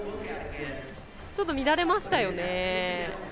ちょっと乱れましたよね。